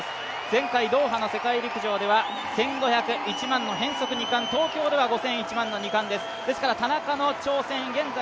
前回ドーハの世界陸上では１５００、１００００ｍの変速２冠、東京では５０００ｍ、１００００ｍの２冠です。